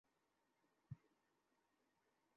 Jump সিটে বসে seat belt বেঁধে নাও।